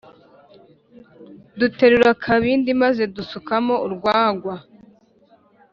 Duterura akabindi maze dusukamo urwagwa